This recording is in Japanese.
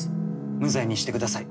無罪にしてください。